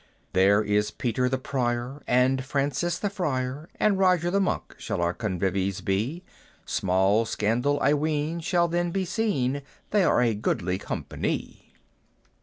"There is Peter the Prior, and Francis the Friar, And Roger the Monk shall our convives be; Small scandal I ween shall then be seen: They are a goodly companie!"